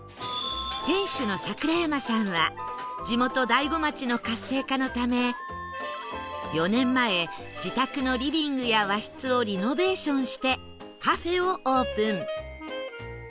店主の櫻山さんは地元大子町の活性化のため４年前自宅のリビングや和室をリノベーションしてカフェをオープン